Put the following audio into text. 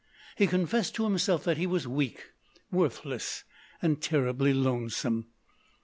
He confessed to himself that he was weak, worthless and terribly lonesome.